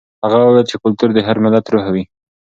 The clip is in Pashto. هغه وویل چې کلتور د هر ملت روح وي.